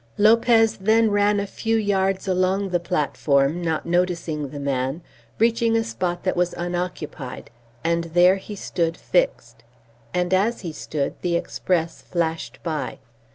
Lopez then ran a few yards along the platform, not noticing the man, reaching a spot that was unoccupied; and there he stood fixed. And as he stood the express flashed by.